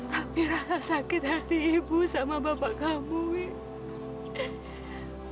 tapi rasa sakit hati ibu sama bapak kamu ibu